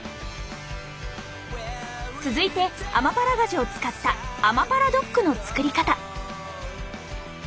続いてアマパラガジュを使ったアマパラドッグの作り方。